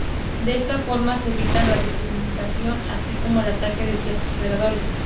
De esta forma se evita la desecación, así como el ataque de ciertos predadores.